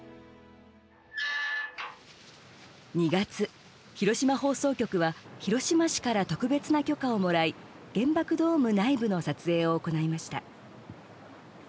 ２月、広島放送局は広島市から特別な許可をもらい原爆ドーム内部の撮影を行いました。